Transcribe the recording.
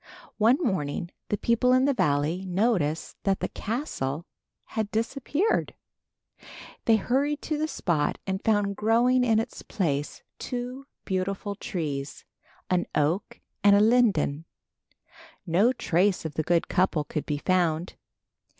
One morning the people in the valley noticed that the castle had disappeared. They hurried to the spot and found growing in its place two beautiful trees, an oak and a linden. No trace of the good couple could be found.